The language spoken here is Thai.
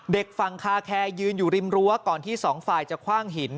เด็กฟังคาแครยืนอยู่ริมรั้วก่อนที่๒ฝ่ายจะขว้างหิน